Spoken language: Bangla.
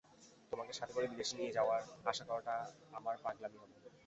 তোমাকে সাথে করে বিদেশে নিয়ে যাওয়ার আশা করাটা আমার পাগলামি হবে।